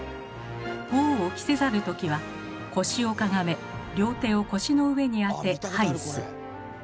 「帽を着せざる時は腰をかがめ両手を腰の上に当て拝す」。